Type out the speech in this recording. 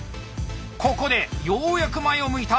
ここでようやく前を向いた！